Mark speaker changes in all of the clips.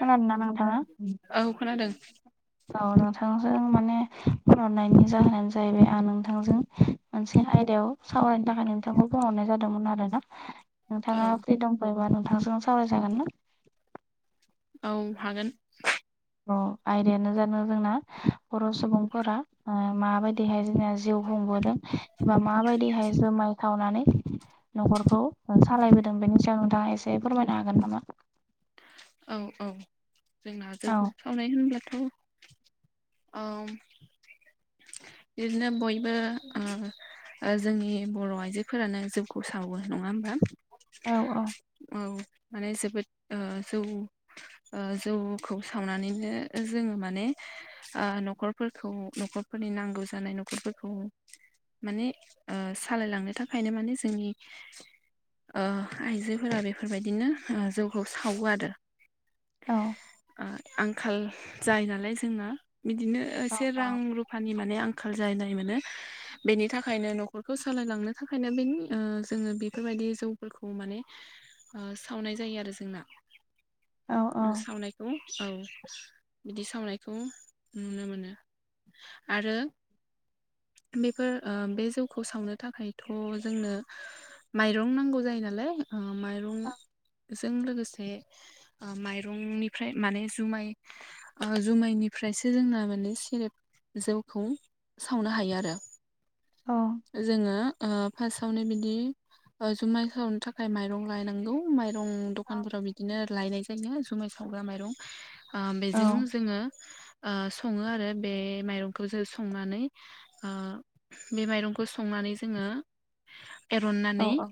Speaker 1: खोनादोंना नोंथाङा?
Speaker 2: औ खोनादों।
Speaker 1: औ नोंथांजों माने फोरनननायनि जाहोनानो जाहैबाय आं नोंथांजों मोनसे आयदायाव सावरायनो थाखाय नोंथांखौ फनहरनाय जादोंमोन आरो ना
Speaker 2: औ
Speaker 1: नोंथाङा फ्रि दम फैबा नोंथांजों सावरायजागोन ना?
Speaker 2: औ हागोन
Speaker 1: आयदायानो जादों जोंना बर' सुबुंफोरा माबायदिहाय जों जिउ ब एबा माबायदिहाय जुमाय खावनानै न'खरखौ सालायबोदों बेनि नोंथाङा एसे फोरमायनो हागोन नामा?
Speaker 2: औ औ जोंना जों
Speaker 1: औ
Speaker 2: सावनाय होनब्लाथ' औ बिदिनो बयबोओ ओजोंनि बर' आइजोफोरानो जौखौ सावो नङा होमबा
Speaker 1: औ औ
Speaker 2: औ माने जोबोद ओ आ जौ ओ जौखौ सावनानैनो जोङो मानेओ न'खरफोरखौ न'खर फोरफोरनि नांगौ जानाय न'खरफोरखौ माने ओ सालायलांनो थाखायनो माने जोंनि ओ आइजोफोरा बेफोरबायदिनो जौखौ सा सावो आरोओ
Speaker 1: औ
Speaker 2: ओ आंखाल जायो नालाय जोंओ बिदिनोओ
Speaker 1: औ
Speaker 2: से रां रुफानि माने आंखाल जाहनाय मोनो
Speaker 1: [inaudible]
Speaker 2: बेनि थाखायनो न'खरखौ सालायलांनो थाखायनो बेनि जोङो बेफोरबायदि जौफोरखौ माने ओ सावनाय जायो आरो जोंना
Speaker 1: औ औ
Speaker 2: सावनायखौ औ बिदि सावनायखौ नुनो मोनो आरो
Speaker 1: [inaudible]
Speaker 2: बेफोर ओ बे जौखौ सावनो थाखायथ' जोंनो माइरं नांगौ जायो नालाय ओ माइरं जों लोगोसे बे माइरंनिफ्राय माने ओ जुमाय जुमायनिफ्रायसो जोंना म मे सेरेब जौखौ सावनो हायो आरो जोङो ओ फार्स्टआवनो बिदि जुमाय सावनो थाखाय माइरं लायनांगौ मा रं दखानफोराव बिदिनो लायनाय जायो जुमाय सावग्रा माइरं
Speaker 1: औ
Speaker 2: बेजों जोङो ओ सङो आरो बे माइरंखौ जों संनानैऔ बे माइरंखौ संनानै जोंङो
Speaker 1: औ
Speaker 2: एनानै
Speaker 1: औ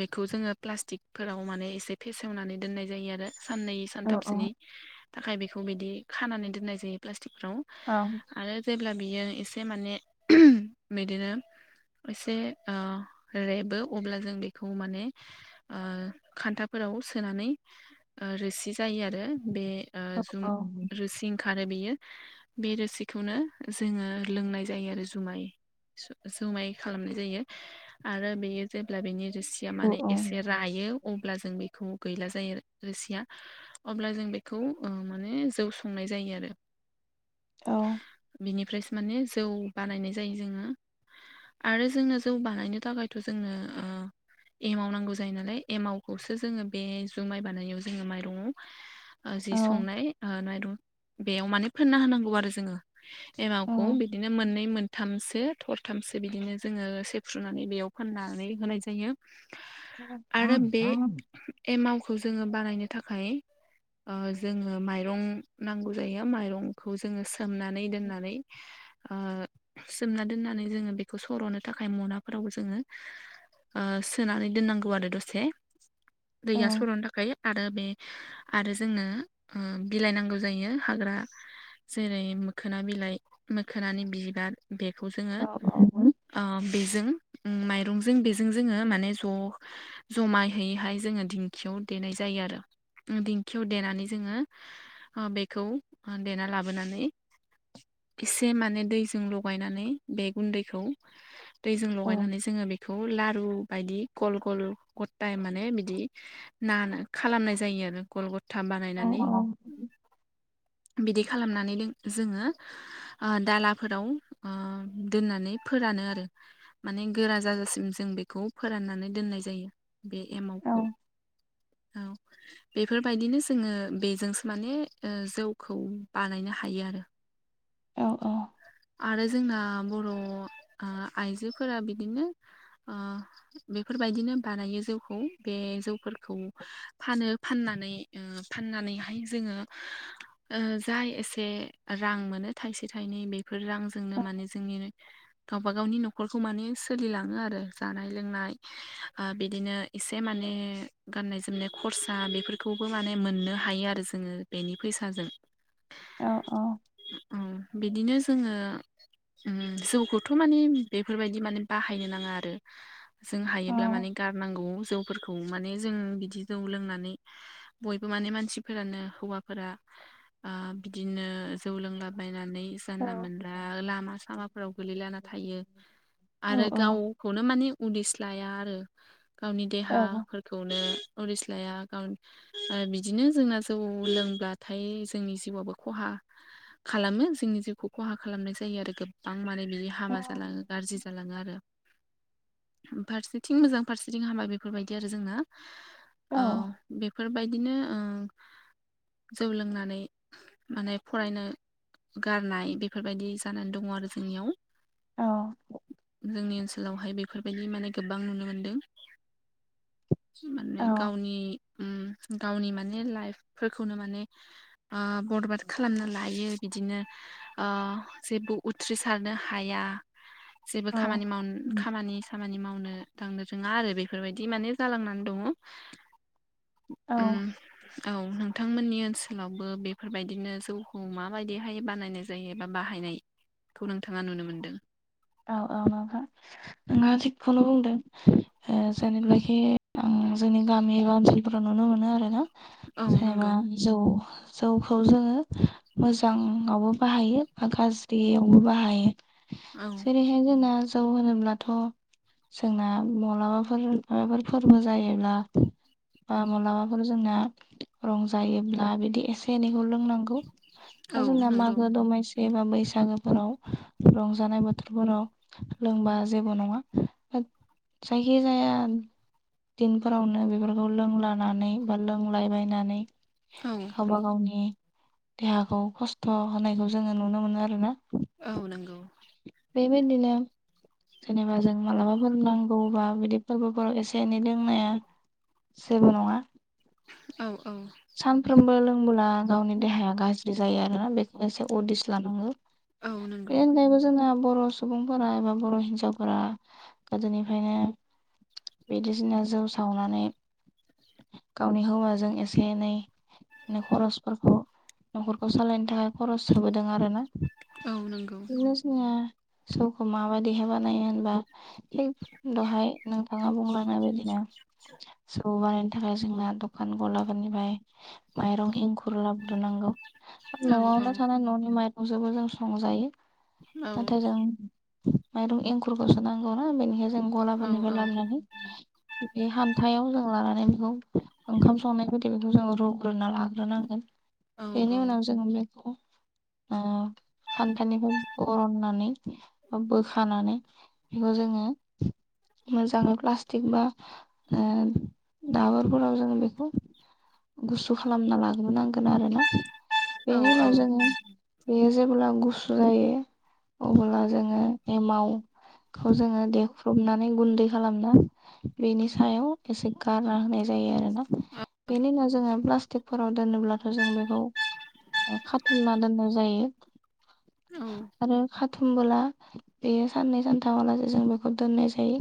Speaker 2: बेखौ जोङो प्लास्टिकफोराव माने एसे फेसेवनानै दोननाय जायो आरो साननै
Speaker 1: औ औ
Speaker 2: सानथामसोनि थाखाय बेखौ बिदि खानानै दोननाय जायो प्लास्टि फ्राव
Speaker 1: औ
Speaker 2: आरो जेब्ला बियो एसे माने बिदिनो एसे ओ रेबो अब्ला जों बेखौ माने ओ खान्था फो फोराव सोनानै ओ रोसि जायो आरो बे ओ
Speaker 1: औ औ
Speaker 2: जुम रुसिं खारो बेयो बे रोसिखौनो जोङो लोंनाय जायो आरो जुमाय जुमाय खालामनाय जायो आरो बेयो जेब्ला बेनि जोसिया
Speaker 1: औ
Speaker 2: माने एसे रायो अब्ला जों बेखौ गैला जायो रोसिया अब्ला जों बेखौ माने जौ संनाय जायो आरो
Speaker 1: औ
Speaker 2: बिनिफ्रायसो माने जौ बानायनाय जायो जोङो
Speaker 1: [inaudible]
Speaker 2: आरो जोंनो जौ बानायनो थाखायथ' जोंनोओ एमाव नांगौ जायो नालाय एमावखौसो जोङो बे जुमाइ बानायनायाव जोङो माइरंआव ओ
Speaker 1: औ
Speaker 2: जि संनाय माइरं बेयाव माने फोनना होनांगौ आरो जोङो एमावखौ बिदिनो मोननै मोनथामसो थरथामसो बिदिनो जोङो सेफ्र्रुनानै बेयाव फाननानै होनाय जायो। आरो बे एमावखौ जोङो बानायनो थाखाय ओजोङो माइरं नांगौ जायो माइरंखौ जोङो सोमनानै दोननानैओ सोमना दोननानै जोङो बेखौ सर'नो थाखाय मनाफोराव जोङो ओ सोनानै दोननांगौ आरो दसे
Speaker 1: औ
Speaker 2: दैया सलशर'नो थाखाय। आरो बे आरो जोंनो ओ बिलाइनांगौ जायो हाग्रा जेरै मोखोना बिलाइ मोखोनानि बिबार बे। खौ जोङो ओ बेजों माइरंजों। जों बेजों जोङो माने ज' जमायहैहाय जोङो दिंखियाव देनाय जायो आरो। दिंखियाव देनानै जोङो बेखौ देना लाबोनानै। एसे माने दैजों लगायनानै। बे गुन्दैखौ दैजों लगायनानै जों लुरुखौ। बायदि गल गल गथाया माने बिदि ना खालामनाय जायो आरो गल गा।
Speaker 1: औ औ।
Speaker 2: बिदि खालामनानै जोङो दालाफोराव। ओ
Speaker 1: [unintelligible]
Speaker 2: दोननानै फोरानो आरो माने गोरा जाजासिम जों बेखौ फोराननानै दोननाय जायो। बे एमावखौ। औ बेफोरबायदिनो जोङो बेजोंसो माने ओ जौखौ बानायनो। नो हायो आरो।
Speaker 1: औ औ।
Speaker 2: आरो जोंना बर' ओ आइजोफोरा बिदिनो ओ बेफोरबायदि। बिदिनो बानायो जौखौ बे जौफोरखौ फानो फाननानै फाननानैहाय। जोङो ओ जा एसे रां मोनो। थाइसे थाइनै बेफोर रांजोंनो माने जोंनि गाव। गावबा गावनि न'खरखौ माने सोलिलाङो आरो जानाय लोंनाय ओ बिदिनो एसे माने। गाननाय जोमनाय खरसा बेफोरखौबो माने मोननो हायो आरो जोङो बेनि फैसाजों।
Speaker 1: औ औ।
Speaker 2: औ बिदिनो जोङो। जौखौथ' माने बेफोरबायदि माने बाहायनो नाङा आरो जों हायोब्ला माने। गारनांगौ जौफोरखौ माने जों बिदि जौ लोंनानै बयबो माने मानसिफोरानो। हौवाफोरा ओ बिदिनो जौ लोंलाबायनानै। जानला मोनला लामा सामाफोराव गोलैलाना थायो। आरो
Speaker 1: औ नोंथां
Speaker 2: गावखौनो माने उदिसलाया आरो। गावनि देहाफोरखौनो। उदिस्लाया गाव ओ बिदिनो जोंना जौ लोंब्लाथाय जोंनि जिउआबो खहा।
Speaker 1: [unintelligible]
Speaker 2: खालामो जोंनि जिउखौ खहा खालामनाय जायो आरो गोबां माने बि हाबा जालाङो गाज्रि। जालाङो आरो फारसेथिं मोजां फारसेथिं हाबा बेफोरबायदि आरो जोंना। औ बे। बेफोरबायदिनो ओ जौ लोंनानै माने फरायनो। गारनाय बेफोरबायदि जानानै दङ आरो जोंनियाव। जोंनि ओनसोलावहाय बेफोरबायदि माने गोबां नुनो मोनदों। माने गावनि ओम। गावनि माने लाइफफोरखौनो माने ओ बरबाद खालामना लायो। बिदिनो ओ जेबो उथ्रिसारनो हाया। जेबो खामानि माव खामानि सामानि मावनो। थांनो रोङा आरो बेफोरबायदि माने जालांनानै दङ। ओम औ नोंथांमोननि ओनसोलावबो बेफोरबायदिनो जौ मा। माबायदिहाय बानायनाय जायो एबा बाहायनायखौ नोंथाङा नुनो मोनदों?
Speaker 1: औ औ नोंथां नोथाङा थिगखौनो बुंदों जेनेबाखि। आं जोंनि गामि एबा ओनसोलफोराव नुनो मोनो आरोना
Speaker 2: औ
Speaker 1: जेनेबा
Speaker 2: नंगौ
Speaker 1: जौ। जौखौ जोङो मोजाङावबो बाहायो बा गाज्रियावबो बाहायो।
Speaker 2: औ
Speaker 1: जेरैहाय जोंना जौ होनोब्लाथ'। जोंना माब्लाफोर माबाफोर फोरबो जायोब्ला बा मालाबाफोर जोंना रंजायोब्ला बिदि एसे एनैखौ लोंनांगौ बा
Speaker 2: औ
Speaker 1: जोंना
Speaker 2: नंगौ
Speaker 1: मागो दमासि बा बैसागोफोराव रंजानाय बोथोर फोराव लोंबा जेबो नङा जायखिजाया दिनफोरावनो बेफोरखौ लोंलानानै बा लोंलायबायनानै
Speaker 2: औ
Speaker 1: गावबा गावनि देहाखौ खस्थ' होनायखौ जोङो नुनो मोनो आरो ना
Speaker 2: औ नंगौ
Speaker 1: बेे बायदि नो जेनेबा जों मालाबाफोर नांगौबा बिदि फोरबोफोराव एसे एनै लोंनाया जेबों नङा
Speaker 2: औ औ
Speaker 1: सानफ्रोमबो लोंबोला गावनि देहाया गाज्रि जायो आरोना बेखौ एसे उदिस लानांगौ
Speaker 2: औ नंगौ
Speaker 1: [unintelligible] बर' सुबुंफोरा एबा बर' हिनजावफोरा गोदोनिफ्रायनो बिदिसिना जौ सावनानै गावनि हौवाजों एसे एनै माने खरसफोरखौ न'खरखौ सालायनो थाखाय खरस होबोदों आरो ना
Speaker 2: औ नंगौ
Speaker 1: बेनोस नङा सौखौ माबायदि हे बानायो होनबा दहाय नोंथाङा बुंलांनाय बादिनो बानायनो थाखाय जोंना दखान गलाफोरनिफ्राय माइरं एंखुर लाग्रोनांगौ
Speaker 2: औ औ
Speaker 1: न'आवनो थानाय न'नि माइरंजोंबो जों संजायो
Speaker 2: औ
Speaker 1: नाथाय जों माइरं एंखुरखौसो नांगौना बेनिखायनो जों
Speaker 2: औ
Speaker 1: गलाफोरनिफ्राय लाबोनानै बे हान्थायाव जों लानानै बेखौ ओंखाम संनाय बायदि बेखौ जों रु ग्रोना लाग्रोनांगोन
Speaker 2: औ
Speaker 1: बेनि उनाव
Speaker 2: औ
Speaker 1: जोङो बेखौ खान्थालनिफ्राय बरननानै बा बोखानानै बेखौ जोङो मोजाङै प्लास्टिक बा दाबोरफोराव जों बेखौ गुसु खालामना लाग्रोनांगोन आरोना बेनि उनाव जोङो बेयो जेब्ला गुसु जायो अब्ला जोङो एमाव खौ जोङो देख्रुबनानै गुन्दै खालामना बेनि सायाव एसे गारना होनाय जायो आरोना बेनि उनाव जोङो प्लास्टिकफोराव दोनोब्लाथ' जों बेखौ खाथुमना दोननाय जायो
Speaker 2: औ
Speaker 1: आरो थुमबोला बेयो साननै सानथामालासे जों बेखौ दोननाय जायो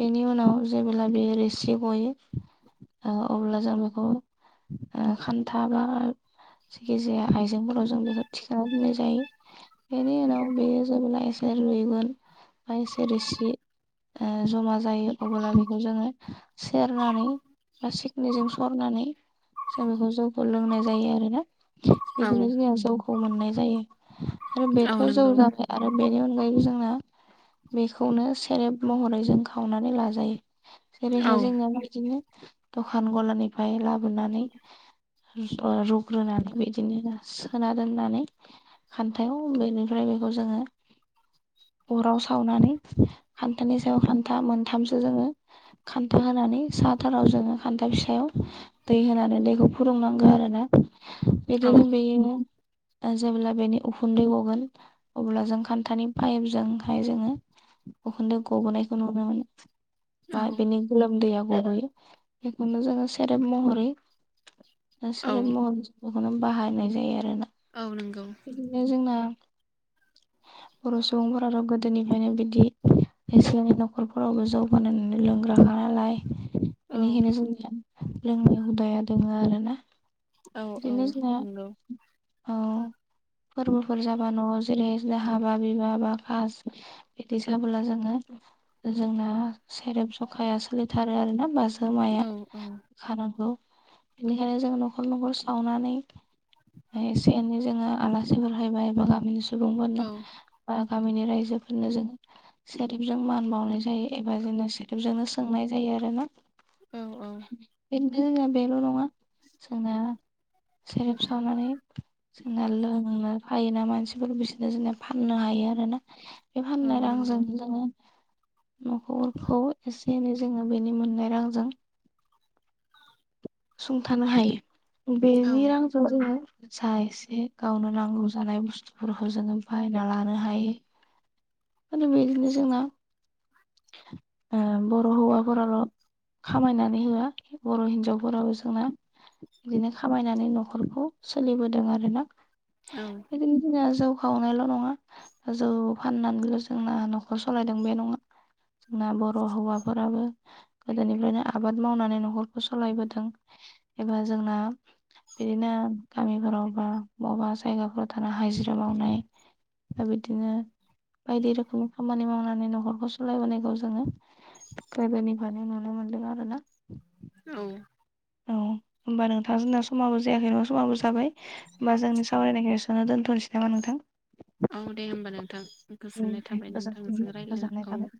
Speaker 1: बेनि उनाव जे अब्ला बेयो रोसि गयो अब्ला जों बे खान्था बा जेखि जाया आइजेंफोराव जों बेखौ थिखांना दोननाय जायो बेनि उनाव बेयो जेब्ला एसे रुइगोन [unintelligible] सेरसि ओ जमा जायो अब्ला बेखौ जोङो सेरनानै बा सिखनिजों स सरनानै जों बेखौ जौखौ लोंनाय जायो आरोना। बिदिनो
Speaker 2: औ
Speaker 1: जोङो जौखौ मोननाय जायो आरो
Speaker 2: औ
Speaker 1: बेथ' जौ
Speaker 2: नंगौ
Speaker 1: जाखाय आरो बेनि अनगायैबो जों आं बेखौनो सेरेब महरै जों खावनानै लाजायो।
Speaker 2: औ
Speaker 1: जेरैहाय जोंनियावबो बिदिनो दखान गलानिफ्राय लाबोनानै। रुग्रोनानै बिदिनो सोना दोननानै खान्थायाव बेनिफ्राय बेखौ जोङो अराव सावनानै खान्थानि सायाव खान्था मोनथामसो जोङो खान्था होनानै सा हाथाराव जोङो खान्था फिसायाव दै होनानै दैखौ फुदुंनांगौ आरोना
Speaker 2: औ
Speaker 1: बिदिनो बेनो जेब्ला बेनि उखुन्दै गगोन अब्ला जों खान्थानि पाइपजोंहाय जोङो उखुनदै गबोनायखौ नुनो मोनो।
Speaker 2: औ
Speaker 1: बा बिनि गोलोमदैया गुबोयो बेखौनो जोङो सेरेब महरै
Speaker 2: औ
Speaker 1: नसोर महलखौनो बाहायनाय जायो आरोना
Speaker 2: औ नंगौ
Speaker 1: बिदिनो जोंना बर' सुबुंफोराथ' गोदोनिफ्रायनो बिदि एसिआनि न'खरफोरावबो जौगानायनानै लोंग्राखा नालाय
Speaker 2: औ
Speaker 1: बेनिखायनो जोंनिया लोंनाय हुदाया दोङो आरो ना।
Speaker 2: औ औ नंगौ।
Speaker 1: औ। फोरबोफोर जाबा न' जेरै दाहा बा बिबार बा खास बिदि जाबोला जोङो जोंना सेरेब जखाया सोलिथारो आरोना बाजार
Speaker 2: औ औ।
Speaker 1: नांगौ बेनिखायनो जों न'खर न'खर सावनानै एसे एनै जोङो आलासिफोर फैबाय बा गामिनि
Speaker 2: औ
Speaker 1: सुबुंफोरनो गामिनि रायजोफोरनो जों सोरेबजों मान बावनाय जायो एबा जोंना सोरेबजोंनो सोंनाय जायो। आरोना।
Speaker 2: औ औ।
Speaker 1: खिनथु जोंना बेल' नङा जोंना सेरप सावनानै जोंना लोंनो फायोना मानसिफोर बिसोरनो जोंना फाननो हायो आरोना बे
Speaker 2: औ
Speaker 1: फाननाय
Speaker 2: नंगौ
Speaker 1: रांजों जोङो न'खरफोरखौ एसे -एनै जोङो बेनि मोननाय रांजों सुंथानो हायो बेनि रांजों जोङो जा एसे गावनो नांगौ जानाय बुस्थुफोरखौ जोङो बायना लानो हायो। आरो बिदिनो जोंना बर' हौवाफोराल' खामायनानै होआ बर' हिनजावफोराबो जोंना बिदिनो खामायनानै न'खरखौ सोलिबोदों आरो ना।
Speaker 2: औ
Speaker 1: बिदिनो जोंना जौ खावनायल' नङा जौ फाननानैल' जोंना न'खर सालायदों बे नङा। जोंना बर' हौवाफोराबो गोदोनिफ्रायनो आबाद मावनानै न'खरखौ सालायबोदों। एबा जोंना बिदिनो गामिफोराव बा- अबावबा जायगाफोराव थानानै हाजिरा मावनाय दा बिदिनो बायदि रोखोम खामानि मावनानै न'खरखौ सालायबोनायांगौ जोङो गोदोनि फायनो नुनो मोनदों आरोना।
Speaker 2: औ।
Speaker 1: औ होमबा नोंथां जोंना समाबो जायाखै नङा समाबो जाबाय होमबा जोंनि सावरायनायखाय एसे आवनो दोनथ'नोसै नामा नोंथां?
Speaker 2: औ दे होमबा नोंथां
Speaker 1: औ
Speaker 2: गोजोननाय
Speaker 1: दे
Speaker 2: थाबाय
Speaker 1: गोजोनथों
Speaker 2: नोंथांजों रायज्लायना
Speaker 1: गोजोननाय
Speaker 2: औ
Speaker 1: थाबाय।